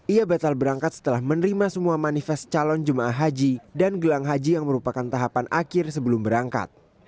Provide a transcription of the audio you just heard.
ia batal berangkat setelah menerima semua manifest calon jemaah haji dan gelang haji yang merupakan tahapan akhir sebelum berangkat